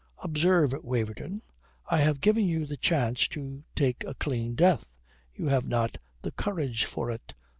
"Observe, Waverton: I have given you the chance to take a clean death. You have not the courage for it.